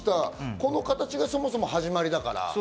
この形がそもそも始まりだから。